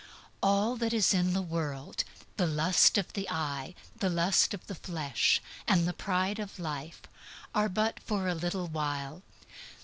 All that is in the world, the lust of the eye, the lust of the flesh, and the pride of life, are but for a little while.